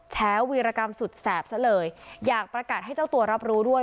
วีรกรรมสุดแสบซะเลยอยากประกาศให้เจ้าตัวรับรู้ด้วย